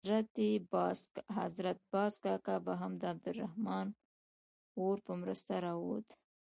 حضرت باز کاکا به هم د عبدالرحمن اور په مرسته راووت.